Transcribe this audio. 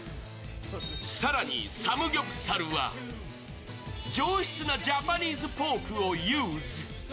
更にサムギョプサルは上質なジャパニーズポークをユーズ。